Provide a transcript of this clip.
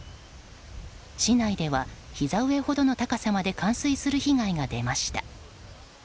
市内ではひざ上ほどの高さまで冠水する被害が出ました。